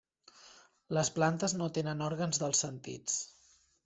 Les plantes no tenen òrgans dels sentits.